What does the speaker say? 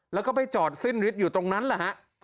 แล้วก็ไปจอดสิ้นฤทธิ์อยู่ตรงนั้นแหละฮะ